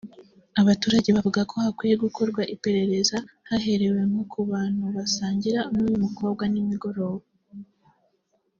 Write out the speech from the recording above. Abaturage bavuga ko hakwiye gukorwa iperereza haherewe nko ku bantu basangiraga n’uyu mukobwa nimugoroba